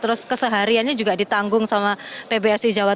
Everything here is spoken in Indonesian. terus kesehariannya juga ditanggung sama pbsi jawa timur atau bagaimana